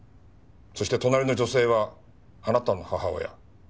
そして隣の女性はあなたの母親。